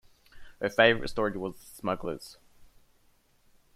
Her favourite story was The Smugglers.